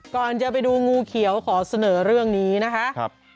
ก่อนจะไปดูงูเขียวขอเสนอเรื่องนี้นะคะ